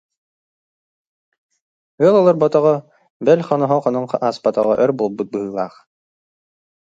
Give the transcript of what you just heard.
Ыал олорботоҕо, бэл хоноһо хонон ааспатаҕа өр буолбут быһыылаах